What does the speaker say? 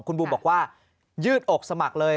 คุณบูมบอกว่ายืดอกสมัครเลย